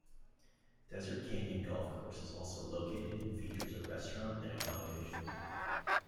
Desert Canyon Golf course is also located and features a restaurant and accommodations.